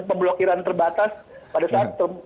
pemblokiran terbatas pada saat